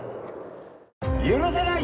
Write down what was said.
許せない！